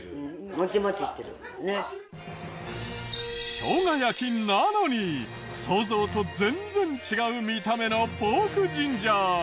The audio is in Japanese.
生姜焼きなのに想像と全然違う見た目のポークジンジャー。